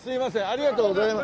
ありがとうございます。